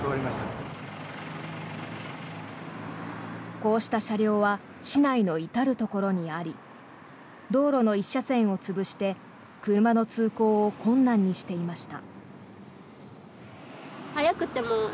こうした車両は市内の至るところにあり道路の１車線を潰して車の通行を困難にしていました。